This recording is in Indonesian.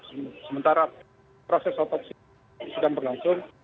sementara proses otopsi sedang berlangsung